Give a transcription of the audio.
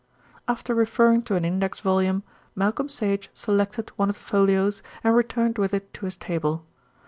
After referring to an index volume, Malcolm Sage selected one of the folios, and returned with it to his table.